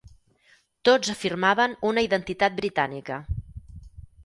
Tots afirmaven una identitat britànica.